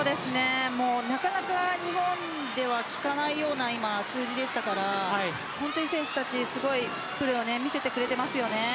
なかなか日本では聞かないような数字でしたから選手たち、すごいプレーを見せてくれています。